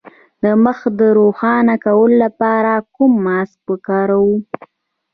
د مخ د روښانه کولو لپاره کوم ماسک وکاروم؟